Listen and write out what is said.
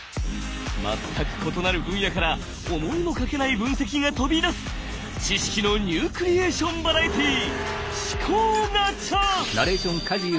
全く異なる分野から思いもかけない分析が飛び出す知識のニュークリエーションバラエティー！